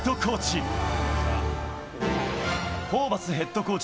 ホーバスヘッドコーチ。